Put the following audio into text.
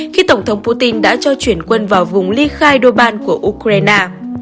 khi tổng thống putin đã cho chuyển quân vào vùng ly khai đô ban của ukraine